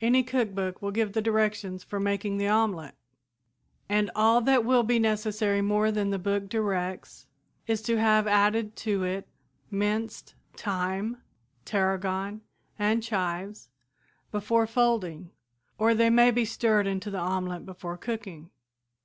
Any cookbook will give the directions for making the omelette, and all that will be necessary more than the book directs is to have added to it minced thyme, tarragon and chives before folding, or they may be stirred into the omelette before cooking.